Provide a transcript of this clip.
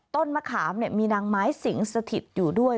ต้นมะขามมีนางไม้สิงสถิตอยู่ด้วย